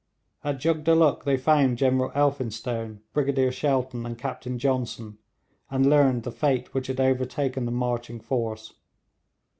At Jugdulluk they found General Elphinstone, Brigadier Shelton, and Captain Johnson, and learned the fate which had overtaken the marching force.